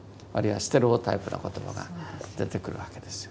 ステレオタイプな言葉が出てくるわけですよ。